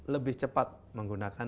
lebih cepat menggunakan